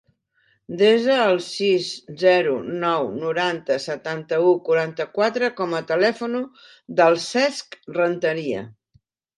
Desa el sis, zero, nou, noranta, setanta-u, quaranta-quatre com a telèfon del Cesc Renteria.